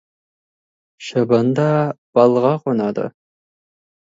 Шыбын да балға қонады.